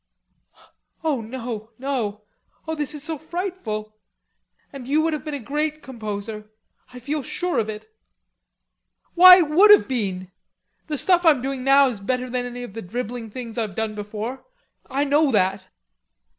"Oh, no, no. Oh, this is so frightful. And you would have been a great composer. I feel sure of it." "Why, would have been? The stuff I'm doing now's better than any of the dribbling things I've done before, I know that."